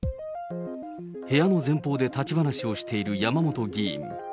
部屋の前方で立ち話をしている山本議員。